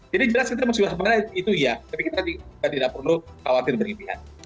jadi jelas kita masih berhasil tapi kita tidak perlu khawatir berimpian